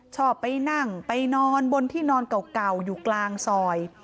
ชอบไปนั่งไปนอนบนที่นอนเก่าอยู่กลางซอย